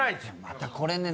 またこれね